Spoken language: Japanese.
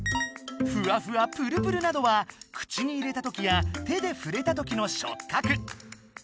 「ふわふわ」「プルプル」などは口に入れたときや手で触れたときの触覚。